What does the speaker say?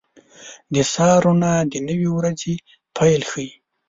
• د سهار روڼا د نوې ورځې پیل ښيي.